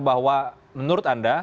bahwa menurut anda